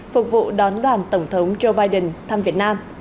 phục vụ đón đoàn tổng thống joe biden thăm việt nam